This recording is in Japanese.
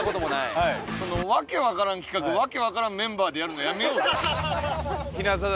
訳わからん企画訳わからんメンバーでやるのやめようぜ。